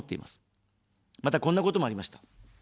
また、こんなこともありました。